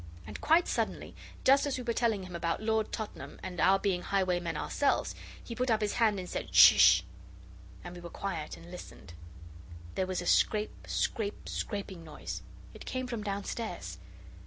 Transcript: And quite suddenly, just as we were telling him about Lord Tottenham and our being highwaymen ourselves, he put up his hand and said 'Shish!' and we were quiet and listened. There was a scrape, scrape, scraping noise; it came from downstairs.